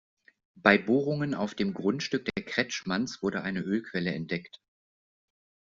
Bei Bohrungen auf dem Grundstück der Kretschmanns wurde eine Ölquelle entdeckt.